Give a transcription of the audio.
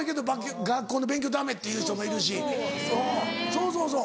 そうそうそう。